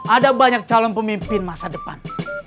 ada banyak calon pemimpin masa depan